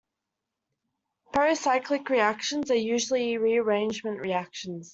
Pericyclic reactions are usually rearrangement reactions.